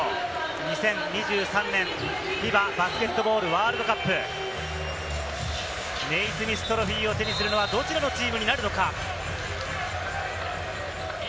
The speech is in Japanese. ２０２３年、ＦＩＢＡバスケットボールワールドカップ、ネイスミス・トロフィーを手にするのはどちらのチームになるのか？